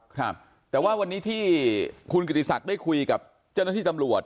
ครับแต่ว่าวันนี้ที่คุณกิติศักดิ์ได้คุยกับเจ้าหน้าที่ตำรวจ